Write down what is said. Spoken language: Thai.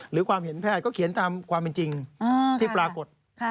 หรือความเห็นแพทย์ก็เขียนตามความเป็นจริงที่ปรากฏ